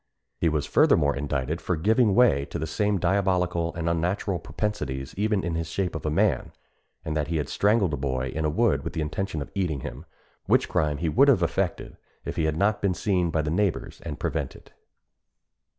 He was furthermore indicted for giving way to the same diabolical and unnatural propensities even in his shape of a man; and that he had strangled a boy in a wood with the intention of eating him, which crime he would have effected if he had not been seen by the neighbours and prevented.